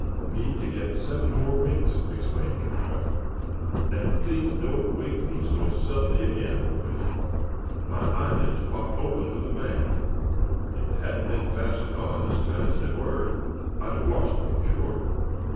me to get seven more winks!" exclaimed Giraffe; "and please don't wake me so suddenly again, boys. My eyelids popped open with a bang. If they hadn't been fastened on as tight as they were, I'd have lost one, sure."